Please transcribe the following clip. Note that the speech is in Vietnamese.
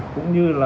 cũng như là